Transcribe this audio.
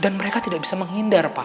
dan mereka tidak bisa menghindar pak